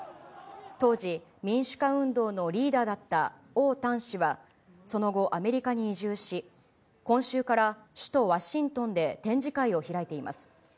当時、民主化運動のリーダーだった王丹氏は、その後、アメリカに移住し、今週から首都ワシントンで展示会を開いています。